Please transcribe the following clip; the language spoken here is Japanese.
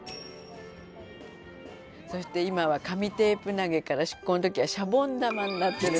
そして今は紙テープ投げから出航の時はシャボン玉になってるんです